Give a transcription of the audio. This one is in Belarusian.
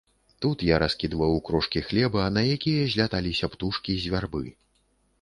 Тут я раскідваў крошкі хлеба, на якія зляталіся птушкі з вярбы.